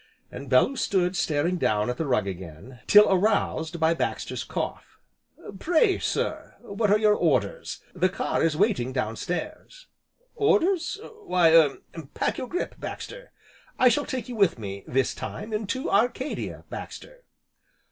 And Bellew stood staring down at the rug again, till aroused by Baxter's cough: "Pray sir, what are your orders, the car is waiting downstairs?" "Orders? why er pack your grip, Baxter, I shall take you with me, this time, into Arcadia, Baxter."